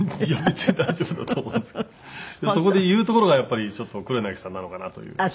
そこで言うところがやっぱりちょっと黒柳さんなのかなという。